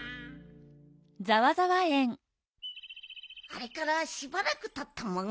あれからしばらくたったモグ。